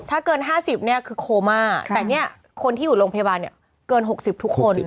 ถ้าเกินห้าสิบเนี้ยคือโคมาแต่เนี้ยคนที่อยู่โรงพยาบาลเนี้ยเกินหกสิบทุกคน